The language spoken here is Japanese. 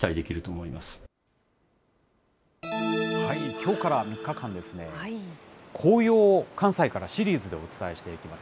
きょうから３日間、紅葉を、関西からシリーズでお伝えしていきます。